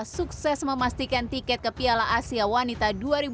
sukses memastikan tiket ke piala asia wanita dua ribu dua puluh